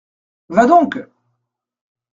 Va donc !